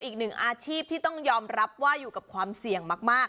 อีกหนึ่งอาชีพที่ต้องยอมรับว่าอยู่กับความเสี่ยงมาก